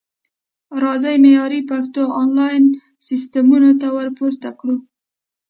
راځئ معیاري پښتو انلاین سیستمونو ته ورپوره کړو